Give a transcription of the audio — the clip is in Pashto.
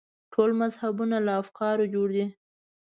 ټول مذهبونه له افکارو جوړ دي.